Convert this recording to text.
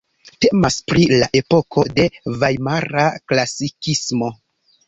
Temas pri la epoko de Vajmara klasikismo.